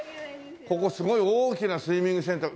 ここすごい大きなスイミングセンター